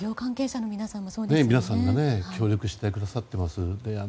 皆さんが協力してくださっています。